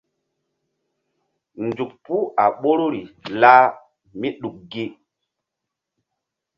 Nzuk puh a ɓoruri lah mí ɗuk gi.